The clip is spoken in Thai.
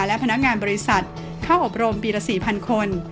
และพนักงานบริษัทเข้าอบรมปีละ๔๐๐คน